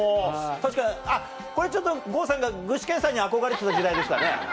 確かにあっこれちょっと郷さんが具志堅さんに憧れてた時代ですかね。